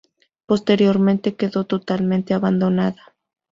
Posteriormente quedó totalmente abandonada.